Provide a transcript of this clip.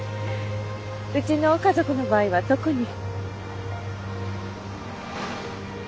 うちの家族の場合は特に。